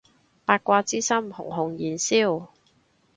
八卦之心熊熊燃燒